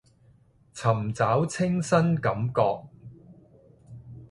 尋找清新感覺